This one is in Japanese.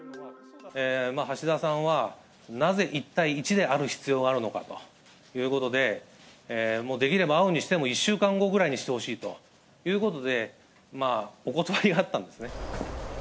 橋田さんはなぜ一対一である必要があるのかということで、できれば会うにしても１週間後ぐらいにしてほしいということで、お断りあったんですね。